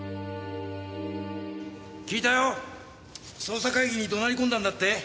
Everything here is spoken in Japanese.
聞いたよ。捜査会議に怒鳴り込んだんだって？